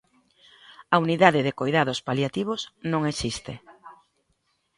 A Unidade de Coidados Paliativos non existe.